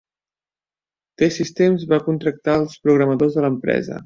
T-Systems va contractar els programadors de l'empresa.